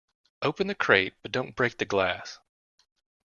Open the crate but don't break the glass.